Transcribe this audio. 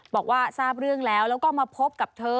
บอกว่าทราบเรื่องแล้วแล้วก็มาพบกับเธอ